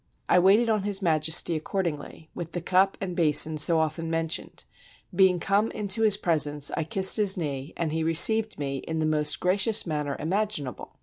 I waited on His Majesty accordingly, with the cup and basin so often mentioned : being come into his presence I kissed his knee, and he received me in the most gra cious manner imaginable.